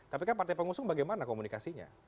tapi kan partai pengusung bagaimana komunikasinya